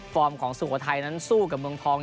ของสุโขทัยนั้นสู้กับเมืองทอง